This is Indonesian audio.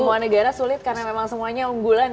semua negara sulit karena memang semuanya unggulan